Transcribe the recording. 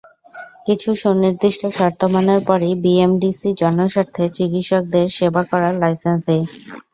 কিছু সুনির্দিষ্ট শর্ত মানার পরই বিএমডিসি জনস্বার্থে চিকিৎসকদের সেবা করার লাইসেন্স দেয়।